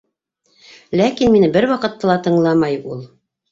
Ләкин мине бер ваҡытта ла тыңламай ул.